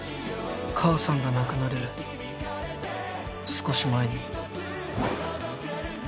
母さんが亡くなる少し前に。